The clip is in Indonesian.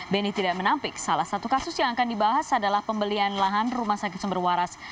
beni tidak menampik salah satu kasus yang akan dibahas adalah pembelian lahan rumah sakit sumber waras